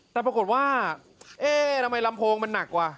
แต่ปรากฏว่าเอ๊ะทำไมลำโพงมันหนักกว่า